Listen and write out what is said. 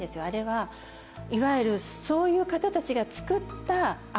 あれはいわゆるそういう方たちが作った。